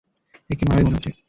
একে মানাবে মনে হচ্ছে।